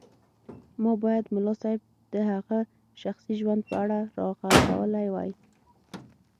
ما بايد ملا صيب د هغه شخصي ژوند په اړه راغږولی وای.